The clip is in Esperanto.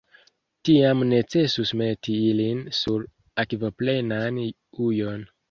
Tiam necesus meti ilin sur akvoplenan ujon.